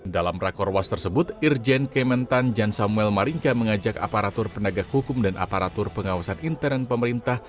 dalam rakorwas tersebut irjen kementan jan samuel maringka mengajak aparatur penegak hukum dan aparatur pengawasan intern pemerintah